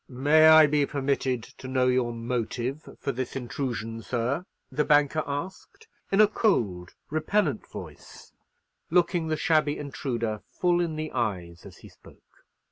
"May I be permitted to know your motive for this intrusion, sir?" the banker asked, in a cold, repellent voice, looking the shabby intruder full in the eyes as he spoke.